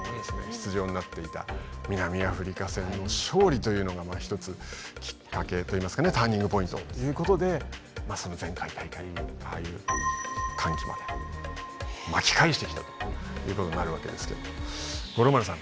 出場になっていた南アフリカ戦の勝利というのがまあ一つきっかけといいますかねターニングポイントっていうことでまあその前回大会ああいう歓喜まで巻き返してきたということになるわけですけども五郎丸さん